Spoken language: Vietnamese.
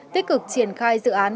tích cực triển khai dự án